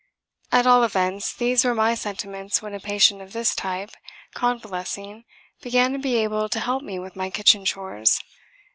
At all events these were my sentiments when a patient of this type, convalescing, began to be able to help me with my kitchen chores.